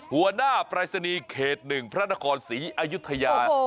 หัวหน้าปรายศนีย์เขต๑พระนครศรีอายุทยา